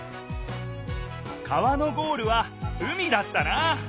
川のゴールは海だったな！